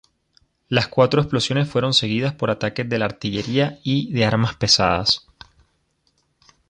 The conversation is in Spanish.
Las cuatro explosiones fueron seguidas por ataques de la artillería y de armas pesadas.